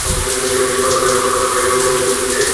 সে ব্যক্তি কতক ভয়ে কতক লজ্জায় মৃদু মৃদু যোগ দিতে লাগিল।